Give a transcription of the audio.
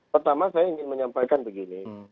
pertama saya ingin menyampaikan begini